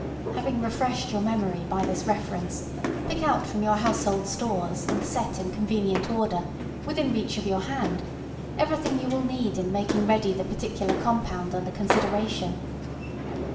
Having refreshed your memory by this reference, pick out from your household stores, and set in convenient order, within reach of your hand, everything you will need in making ready the particular compound under consideration.